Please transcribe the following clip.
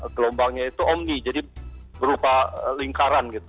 gelombangnya itu omni jadi berupa lingkaran gitu